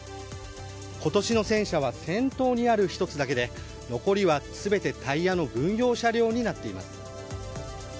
今年の戦車は先頭にある１つだけで残りは、全てタイヤの軍用車両になっています。